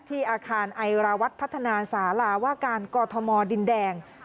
อาคารไอราวัฒน์พัฒนาสาราว่าการกอทมดินแดง